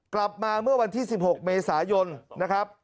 กลับมาเมื่อวันที่๑๖เมษายนนะครับ